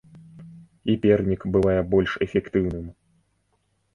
І пернік бывае больш эфектыўным.